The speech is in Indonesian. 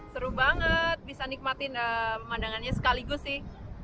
seru banget bisa nikmatin pemandangannya sekaligus sih